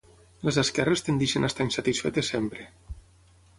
Les esquerres tendeixen a estar insatisfetes sempre.